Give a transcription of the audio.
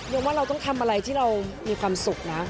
ว่าเราต้องทำอะไรที่เรามีความสุขนะ